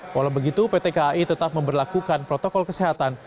walau begitu pt kai tetap memperlakukan protokol kesehatan